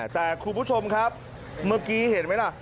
แต่คุณผู้ชมครับเมื่อกี้เห็นไหมล่ะ